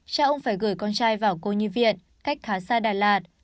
cha ông phải gửi con trai vào cô nhi viện cách khá xa đà lạt